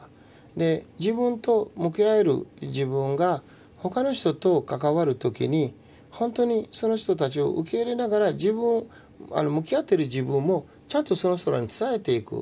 で自分と向き合える自分が他の人と関わる時に本当にその人たちを受け入れながら自分向き合ってる自分もちゃんとその人らに伝えていく。